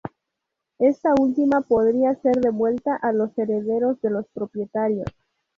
Esta última podría ser devuelta a los herederos de los propietarios.